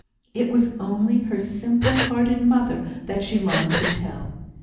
It was only her simple hearted mother that she longed to tell.